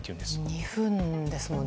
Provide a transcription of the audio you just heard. ２分ですもんね。